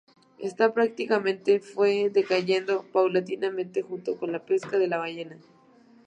Esta práctica fue decayendo paulatinamente junto con la pesca de la ballena.